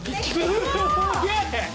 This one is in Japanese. すげえ！